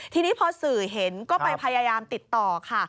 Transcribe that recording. ทีนี้พอสื่อเห็นก็ไปพยายามติดต่อค่ะ